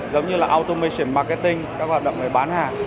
giống như là automation marketing các hoạt động về bán hàng